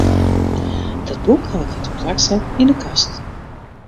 Dat boek haw ik wer teplak set yn 'e kast.